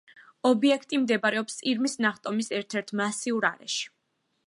ობიექტი მდებარეობს ირმის ნახტომის ერთ-ერთ მასიურ არეში.